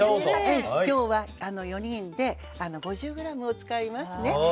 今日は４人で５０ｇを使いますね。